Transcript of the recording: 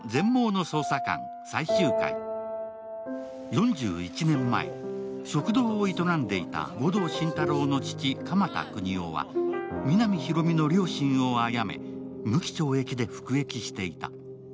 ４１年前、食堂を営んでいた護道心太朗の父・鎌田國士は皆実広見の両親をあやめ、無期懲役で服役していた。